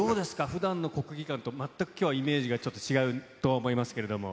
ふだんの国技館と全くきょうはイメージが違うと思いますけれども。